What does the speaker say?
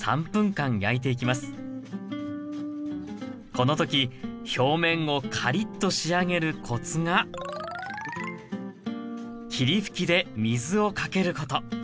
この時表面をカリッと仕上げるコツが霧吹きで水をかけること。